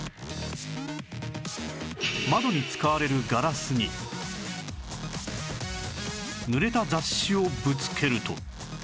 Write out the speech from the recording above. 窓に使われるガラスに濡れた雑誌をぶつけると